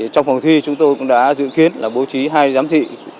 trong phòng thi chúng tôi cũng đã dự kiến là bố trí hai giám thị